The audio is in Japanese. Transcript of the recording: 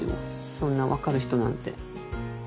そんな分かる人なんて。